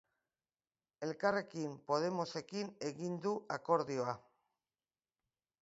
Elkarrekin podemosekin egin du akordioa.